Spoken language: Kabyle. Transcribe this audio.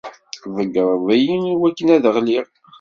Tḍeyyreḍ-iyi iwakken ad ɣliɣ.